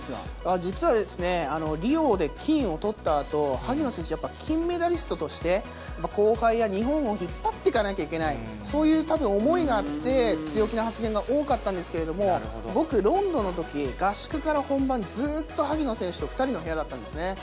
実は、リオで金をとったあと、萩野選手、やっぱり金メダリストとして、後輩や日本を引っ張っていかなきゃいけない、そういうたぶん思いがあって、強気な発言が多かったんですけれども、僕、ロンドンのとき、合宿から本番、ずっと萩野選手と２人の部屋だったんですね。